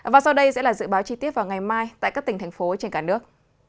và sau đây sẽ là dự báo chi tiết vào ngày mai tại các tỉnh thành phố trên cả nước